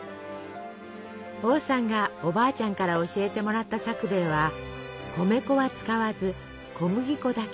王さんがおばあちゃんから教えてもらったさくべいは米粉は使わず小麦粉だけ。